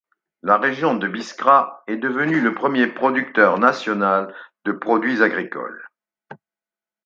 La région de Biskra est devenue le premier producteur national de produits agricoles.